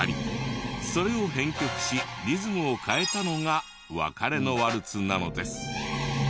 それを編曲しリズムを変えたのが『別れのワルツ』なのです。